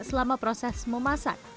selama proses memasak